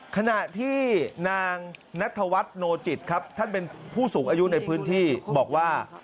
ขณะที่นางนัทธวัฒนโนจิตครับท่านเป็นผู้สูงอายุในพื้นที่บอกว่า